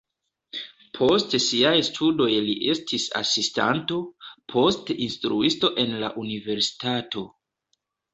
Post siaj studoj li estis asistanto, poste instruisto en la universitato.